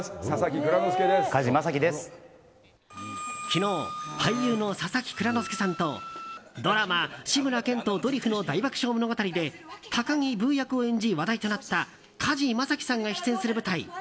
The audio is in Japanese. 昨日俳優の佐々木蔵之介さんとドラマ「志村けんとドリフの大爆笑物語」で高木ブー役を演じ話題となった加治将樹さんが出演する舞台